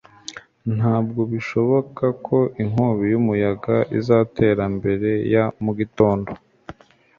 Ntabwo bishoboka ko inkubi yumuyaga izatera mbere ya mu gitondo